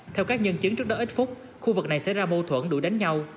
theo các nhân chứng trước đó ít phút khu vực này xảy ra mâu thuẫn đuổi đánh nhau